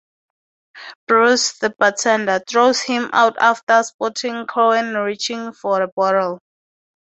Bruce, the bartender, throws him out after spotting Corwin reaching for the bottle.